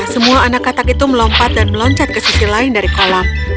semua anak katak itu melompat dan meloncat ke sisi lain dari kolam